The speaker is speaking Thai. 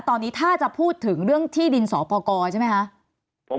ตอนนี้ถ้าจะพูดถึงเรื่องที่ดินสอปกรใช่ไหมคะ